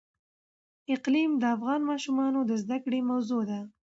اقلیم د افغان ماشومانو د زده کړې موضوع ده.